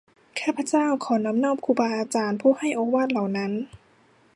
ข้าพเจ้าขอนอบน้อมครูบาอาจารย์ผู้ให้โอวาทเหล่านั้น